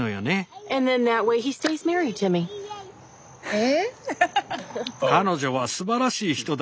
え？